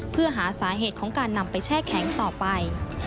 เพื่อหาสาเหตุของการนำไปแช่แข็งต่อไป